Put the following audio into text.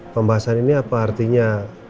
pembahasan ini apa artinya